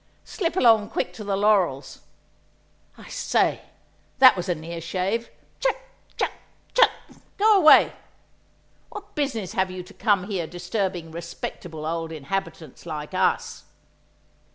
Slip along quick to the laurels. I say, that was a near shave! Chut! chut! chut! Go away! What business have you to come here disturbing respectable old inhabitants like us?"